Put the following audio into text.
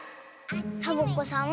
サボ子さん